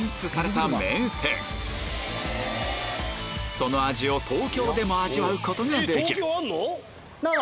その味を東京でも味わうことができるどうも！